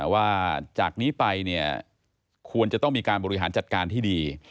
ว่าจากนี้ไปเนี่ยควรจะต้องมีการบริหารจัดการที่ดี